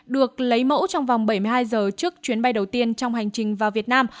được lấy mẫu trong vòng bảy mươi hai giờ trước chuyến bay đầu tiên trong hành trình vào việt nam